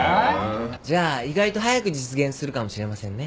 じゃあ意外と早く実現するかもしれませんね。